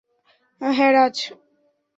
হ্যাঁ, রাজ।